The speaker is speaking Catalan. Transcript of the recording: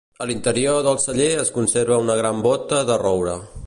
A l'interior del celler es conserva una gran bóta de roure.